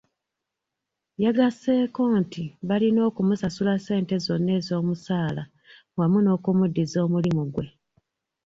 Yagasseeko nti balina okumusasula ssente zonna ez'omusaala wamu n'okumuddiza omulimu gwe.